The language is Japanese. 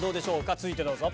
続いてどうぞ。